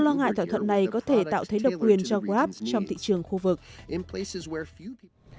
lo ngại thỏa thuận này có thể tạo thế độc quyền cho grab trong thị trường khu vực